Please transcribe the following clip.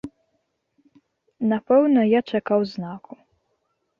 Напэўна, я чакаў знаку.